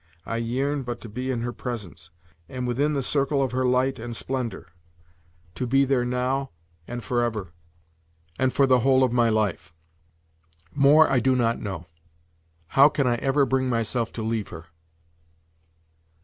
I yearn but to be in her presence, and within the circle of her light and splendour—to be there now, and forever, and for the whole of my life. More I do not know. How can I ever bring myself to leave her?